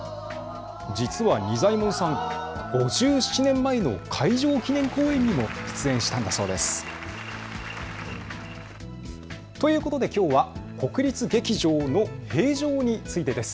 実は仁左衛門さん、５７年前の開場記念公演にも出演したんだそうです。ということできょうは国立劇場の閉場についてです。